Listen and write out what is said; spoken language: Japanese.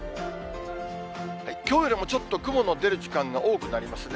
きょうよりもちょっと雲の出る時間が多くなりますね。